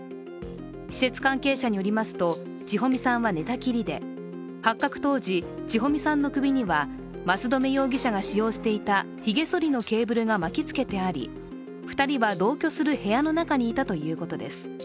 施設関係者によりますと、千保美さんは寝たきりで、発覚当時千保美さんの首には益留容疑者が使用していたひげそりのケーブルが巻き付けてあり２人は同居する部屋の中にいたということです。